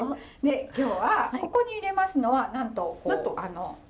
今日はここに入れますのはなんと。